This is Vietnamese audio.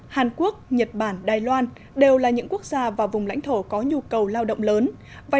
hàn quốc nhật bản đài loan đều là những quốc gia và vùng lãnh thổ có nhu cầu lao động lớn